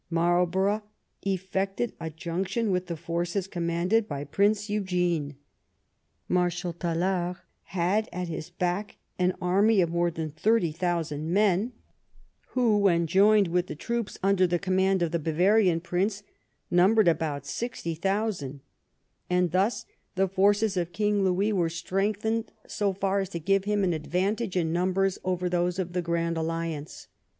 Marlborough effected a junction with the force commanded by Prince Eugene. Marshal Tallard had at his back an army of more than thirty thousand men, who, when joined with the troops under the command of the Bavarian prince, numbered about sixty thousand, and thus the forces of King Louis were '•« 113 THB RBIGN OF QUEEN ANNE strengthened so far as to give them an advantage in numbers over those of the Grand Alliance.